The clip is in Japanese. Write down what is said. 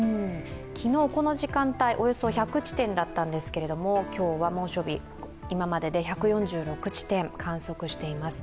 昨日、この時間帯およそ１００地点だったんですけれども今までで１４６地点観測しています。